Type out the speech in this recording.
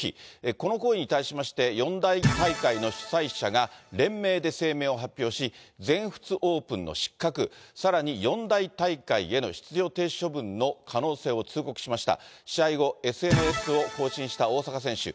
この行為に対しまして、四大大会の主催者が、連名で声明を発表し、全仏オープンの失格、さらに四大大会への出場停止処分の可能性を通告しました。